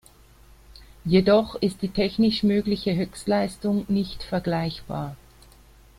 Jedoch ist die technisch mögliche Höchstleistung nicht vergleichbar.